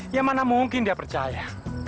ya mana mungkin dia percaya